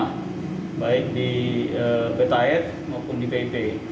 hingga kerusakan bangunan akibat gempa